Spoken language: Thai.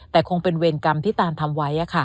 แต่คงเป็นเวรกรรมที่ตานทำไว้